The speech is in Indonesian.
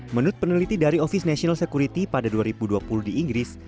menurut peneliti dari office national security pada dua ribu dua puluh di inggris